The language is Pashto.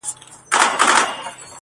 د گناهونو شاهدي به یې ویښتان ورکوي